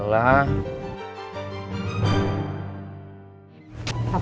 pernah gak tau